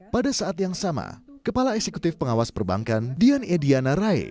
pada saat yang sama kepala eksekutif pengawas perbankan dian ediana rai